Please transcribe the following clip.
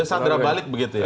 terus sadra balik begitu ya